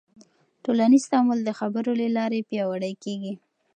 ټولنیز تعامل د خبرو له لارې پیاوړی کېږي.